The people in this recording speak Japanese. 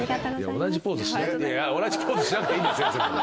同じポーズしなくていい。